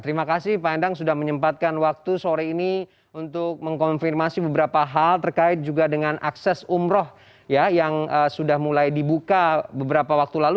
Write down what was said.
terima kasih pak endang sudah menyempatkan waktu sore ini untuk mengkonfirmasi beberapa hal terkait juga dengan akses umroh yang sudah mulai dibuka beberapa waktu lalu